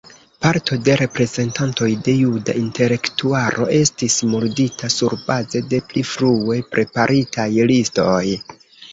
Parto de reprezentantoj de juda intelektularo estis murdita surbaze de pli frue preparitaj listoj.